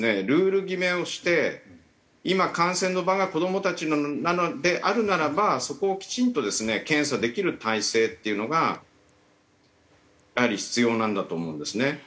ルール決めをして今感染の場が子どもたちなのであるならばそこをきちんとですね検査できる体制っていうのがやはり必要なんだと思うんですね。